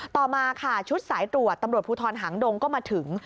ต่อมาค่ะชุดสายตรวจตำรวจภูทรหางดงก็มาถึง